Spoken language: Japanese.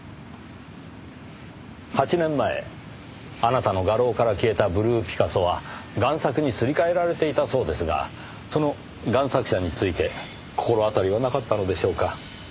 ８年前あなたの画廊から消えたブルーピカソは贋作にすり替えられていたそうですがその贋作者について心当たりはなかったのでしょうか？